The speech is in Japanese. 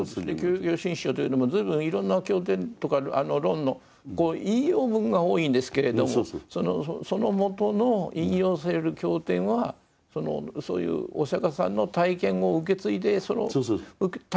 「教行信証」というのも随分いろんな経典とか論の引用文が多いんですけれどもその元の引用される経典はそういうお釈さんの体験を受け継いでその体験を持ってる人が後年にまた著していらっしゃると。